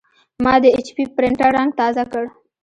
ما د ایچ پي پرنټر رنګ تازه کړ.